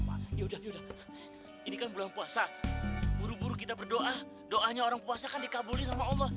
wah yaudah ini kan bulan puasa buru buru kita berdoa doanya orang puasa kan dikabulin sama allah